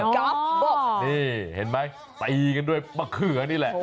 ก๊อฟบนี่เห็นไหมตีกันด้วยมะเขือนี่แหละ